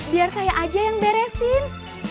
biar kayak aja yang beresin